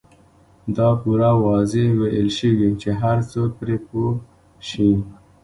دا پوره واضح ويل شوي چې هر څوک پرې پوه شي.